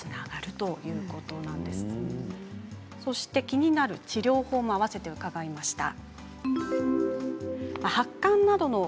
気になる治療法も合わせて伺いました。